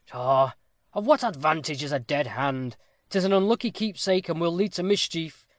"Pshaw! of what advantage is a dead hand? 'Tis an unlucky keepsake, and will lead to mischief.